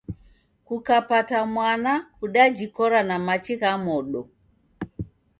Kukapata mwana kudajikora na machi gha modo